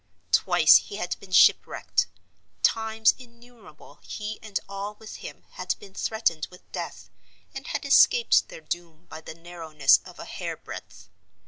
Twice he had been shipwrecked. Times innumerable he and all with him had been threatened with death, and had escaped their doom by the narrowness of a hair breadth.